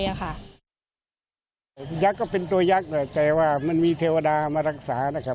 ยักษ์ก็เป็นตัวยักษ์แต่ว่ามันมีเทวดามารักษานะครับ